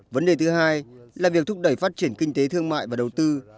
vấn đề thứ hai là việc thúc đẩy phát triển kinh tế thương mại và đầu tư